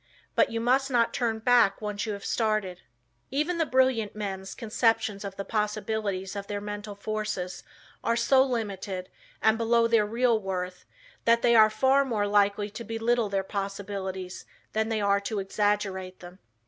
But you must not turn back once you have started. Even brilliant men's conceptions of the possibilities of their mental forces are so limited and below their real worth that they are far more likely to belittle their possibilities than they are to exaggerate them.